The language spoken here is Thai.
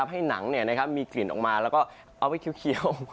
ให้หนังมีกลิ่นออกมาแล้วก็เอาไปเคี้ยว